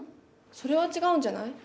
それは違うんじゃない？